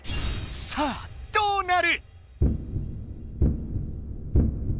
さあどうなる？